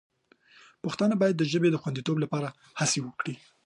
پښتانه باید د ژبې د خوندیتوب لپاره هڅه وکړي.